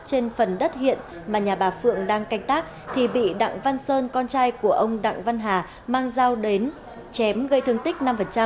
trên phần đất hiện mà nhà bà phượng đang canh tác thì bị đặng văn sơn con trai của ông đặng văn hà mang dao đến chém gây thương tích năm